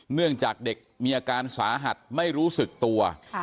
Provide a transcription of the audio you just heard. เนื่องจากเด็กมีอาการสาหัสไม่รู้สึกตัว